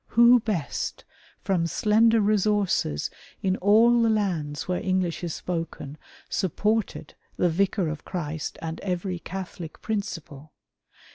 Who best, from slender resources, in all the lands where English is spoken, supported the Vicar of Christ and every Catholic principle